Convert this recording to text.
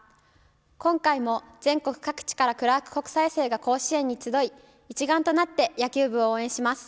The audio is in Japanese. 今回も全国各地からクラーク国際生が甲子園に集い一丸となって野球部を応援します。